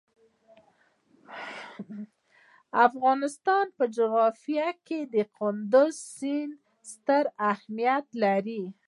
د افغانستان په جغرافیه کې کندز سیند ستر اهمیت لري.